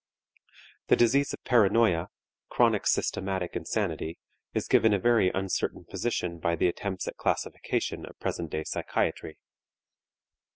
The disease of paranoia, chronic systematic insanity, is given a very uncertain position by the attempts at classification of present day psychiatry.